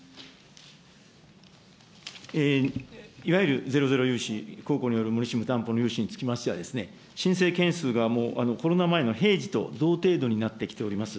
いわゆるゼロゼロ融資、公庫による無利子無担保の融資につきましては、申請件数がもうコロナ前の平時と同程度になってきております。